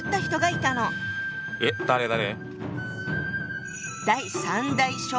えっ誰誰？